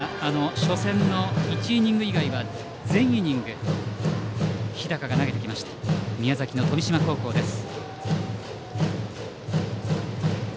宮崎大会では初戦の１イニング以外は全イニング日高が投げてきました宮崎の富島高校です。